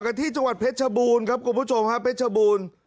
ต่อกับที่จังหวัดเผชษ์ชบูรณ์ครับคุณผู้ชมค่ะเผชษ์ชบูรณ์